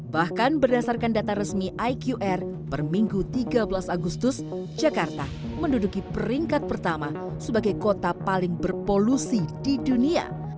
bahkan berdasarkan data resmi iqr per minggu tiga belas agustus jakarta menduduki peringkat pertama sebagai kota paling berpolusi di dunia